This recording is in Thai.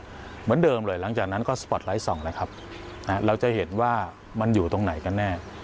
เหมือนเดิมเลยหลังจากนั้นก็สปอร์ตไลท์ส่องเลยครับเราจะเห็นว่ามันอยู่ตรงไหนกันแน่